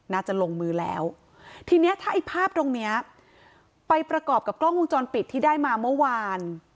น่าจะลงมือแล้วทีเนี้ยถ้าไอ้ภาพตรงเนี้ยไปประกอบกับกล้องวงจรปิดที่ได้มาเมื่อวาน